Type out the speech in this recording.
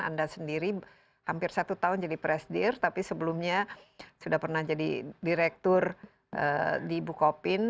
anda sendiri hampir satu tahun jadi presidir tapi sebelumnya sudah pernah jadi direktur di bukopin